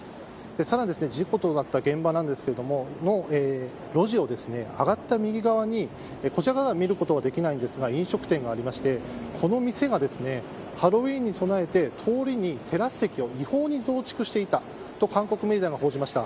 さらに、事故が起きた現場ですがその路地を上がった右側にこちら側から見ることはできませんが飲食店があってこのお店がハロウィーンに備えて通りにテラス席を違法に増築していたと韓国メディアが報じました。